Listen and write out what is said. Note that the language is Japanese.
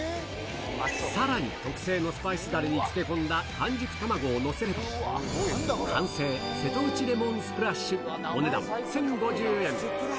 さらに、特製のスパイスだれに漬け込んだ半熟卵を載せると、完成、瀬戸内レモンスプラッシュ、お値段１０５０円。